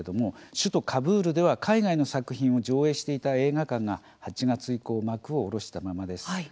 首都カブールでは海外の作品を上映していた映画館が８月以降幕を下ろしたままです。